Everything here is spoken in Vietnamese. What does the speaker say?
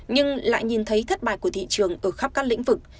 nhưng lại nhìn thấy thất bại của thị trường ở khắp các lĩnh vực